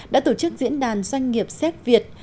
đã tổ chức diễn đàn doanh nghiệp xéc việt